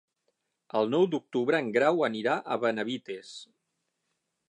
El nou d'octubre en Grau anirà a Benavites.